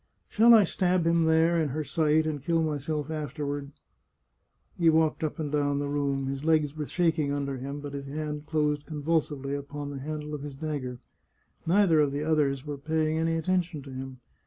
" Shall I stab him there, in her sight, and kill myself after ward ?" He walked up and down the room ; his legs were shaking under him, but his hand closed convulsively upon the handle of his dagger. Neither of the others were pay ing any attention to him.